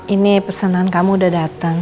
ini pesanan kamu udah datang